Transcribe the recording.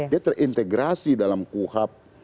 dia terintegrasi dalam qhap